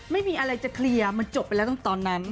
ไม่มีอะไรจะเคลียร์มันจบไปแล้วตอนนั้น